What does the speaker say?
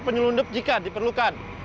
penyelundup jika diperlukan